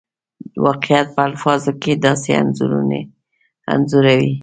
واقعیتونه په الفاظو کې داسې انځوروي.